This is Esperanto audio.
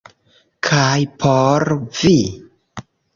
Kaj por vi?